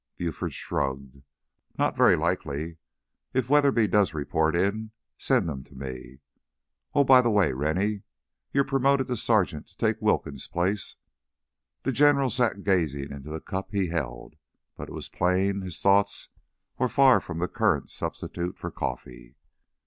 Buford shrugged. "Not very likely. If Weatherby does report in, send him to me! Oh, by the way, Rennie, you're promoted to sergeant to take Wilkins' place." The General sat gazing into the cup he held, but it was plain his thoughts were far from the current substitute for coffee.